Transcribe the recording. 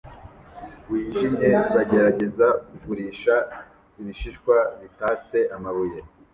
wijimye bagerageza kugurisha ibishishwa bitatse amabuye